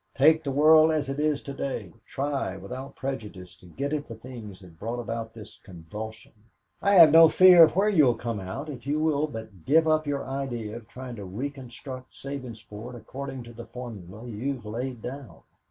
Take the world as it is to day, try, without prejudice, to get at the things that brought about this convulsion. I have no fear of where you will come out, if you will but give up your idea of trying to reconstruct Sabinsport according to the formula you have laid down.